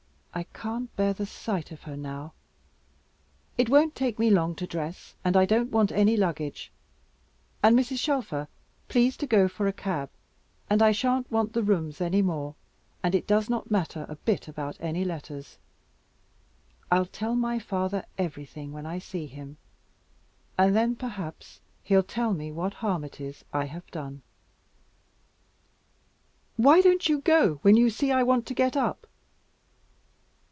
I can't bear the sight of her now. It won't take me long to dress, and I don't want any luggage; and, Mrs. Shelfer, please to go for a cab: and I shan't want the rooms any more, and it does not matter a bit about any letters. I'll tell my father everything when I see him, and then perhaps he'll tell me what harm it is I have done. Why don't you go, when you see I want to get up?